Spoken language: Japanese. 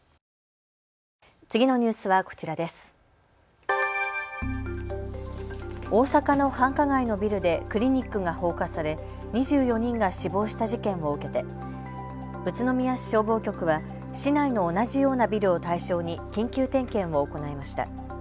大阪の繁華街のビルでクリニックが放火され２４人が死亡した事件を受けて宇都宮市消防局は市内の同じようなビルを対象に緊急点検を行いました。